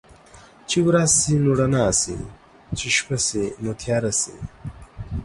چې ورځ شي نو رڼا شي، چې شپه شي نو تياره شي.